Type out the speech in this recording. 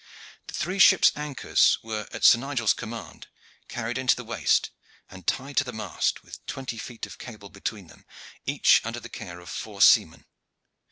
The three ship's anchors were at Sir Nigel's command carried into the waist, and tied to the mast, with twenty feet of cable between, each under the care of four seamen.